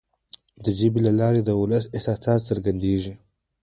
د ژبي له لارې د ولس احساسات څرګندیږي.